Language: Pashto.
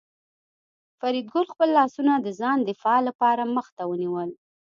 فریدګل خپل لاسونه د ځان د دفاع لپاره مخ ته ونیول